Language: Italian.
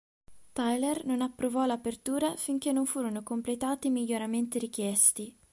Tyler non approvò l'apertura finché non furono completati i miglioramenti richiesti.